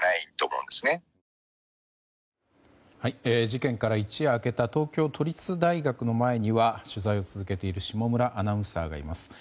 事件から一夜明けた東京都立大学の前には取材を続けている下村アナウンサーがいます。